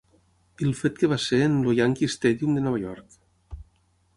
I el fet que va ser en el Yankee Stadium de Nova York.